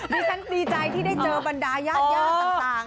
ดิฉันดีใจที่ได้เจอบรรดายาศยาตรต่าง